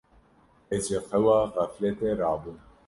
Ez ji xewa xefletê rabûm.